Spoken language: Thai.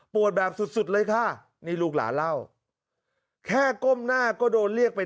แบบสุดสุดเลยค่ะนี่ลูกหลานเล่าแค่ก้มหน้าก็โดนเรียกไป